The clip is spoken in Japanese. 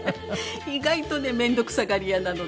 意外とね面倒くさがり屋なので。